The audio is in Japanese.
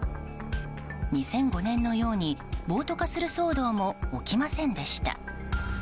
２００５年のように暴徒化する騒動も起きませんでした。